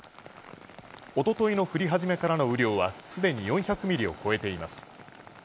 一昨日の降り始めからの雨量は既に４００ミリを超えています。